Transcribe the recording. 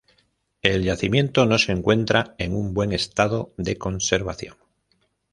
El yacimiento no se encuentra en un buen estado de conservación.